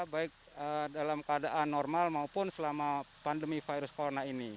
baik dalam keadaan normal maupun selama pandemi virus corona ini